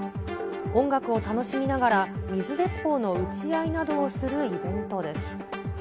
音楽を楽しみながら水鉄砲の撃ち合いなどをするイベントです。